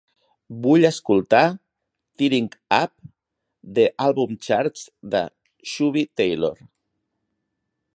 Vull escoltar Tearing Up The Album Charts de Shooby Taylor.